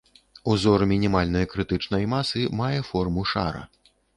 Узор мінімальнай крытычнай масы мае форму шара.